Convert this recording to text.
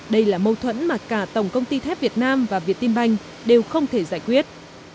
đây là mâu thuẫn mà cả tổng công ty thép việt nam và việt tim banh đều không thể giải quyết